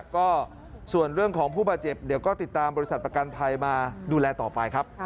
ก็ส่วนเรื่องของผู้บาดเจ็บเดี๋ยวก็ติดตามบริษัทประกันภัยมาดูแลต่อไปครับ